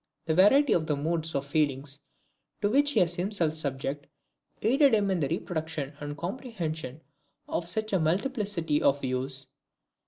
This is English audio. The variety of the moods of feeling to which he was himself subject, aided him in the reproduction and comprehension of such a multiplicity of views.